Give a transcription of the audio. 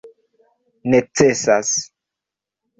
necesas